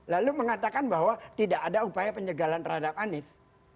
lalu mengatakan bahwa tidak ada upaya penyegalan terhadap anies